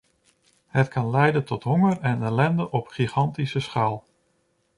Het kan leiden tot honger en ellende op gigantische schaal.